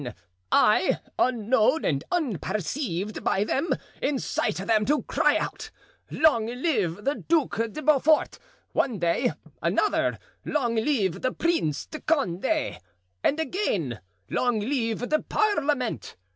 I, unknown, and unperceived by them, incite them to cry out, 'Long live the Duke de Beaufort' one day; another, 'Long live the Prince de Conde;' and again, 'Long live the parliament!